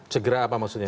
segera apa maksudnya